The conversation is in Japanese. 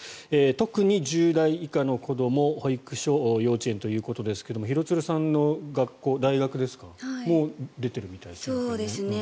特に１０代以下の子ども保育所、幼稚園ということですが廣津留さんの学校、大学も出ているみたいですね。